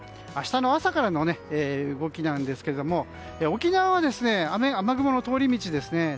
明日の朝からの動きなんですけれども沖縄は雨雲の通り道ですね。